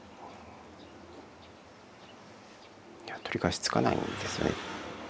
取り返しつかないんですよね。